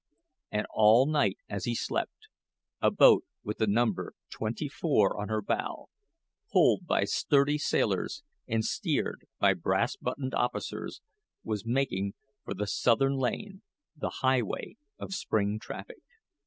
And all night, as he slept, a boat with the number twenty four on her bow, pulled by sturdy sailors and steered by brass buttoned officers, was making for the Southern Lane the highway of spring traffic.